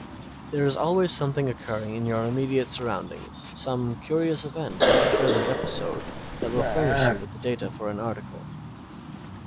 There is always something occurring in your immediate surroundings, some curious event or thrilling episode that will furnish you with data for an article.